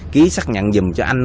ký xác nhận dùm cho anh